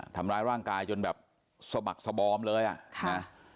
ทำร้ายร่างกายจนแบบสะบักสบอมเลยอ่ะนะ